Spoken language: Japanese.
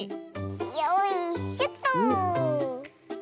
よいしょっと。